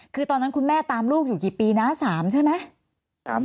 คือตอนนั้นคุณแม่ตามลูกอยู่กี่ปีนะ๓ใช่ไหม